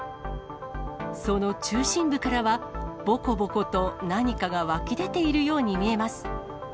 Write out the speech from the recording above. その中心部からは、ぼこぼこと何かが湧き出ているように見えます。